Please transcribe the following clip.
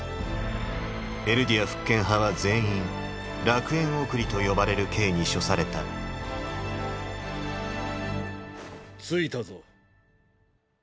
エルディア復権派は全員「楽園送り」と呼ばれる刑に処された着いたぞ。